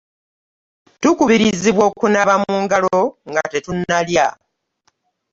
tukubirizibwa okunaaba mu ngalo nga tetunalya.